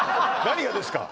何がですか？